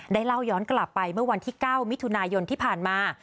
เล่าย้อนกลับไปเมื่อวันที่๙มิถุนายนที่ผ่านมา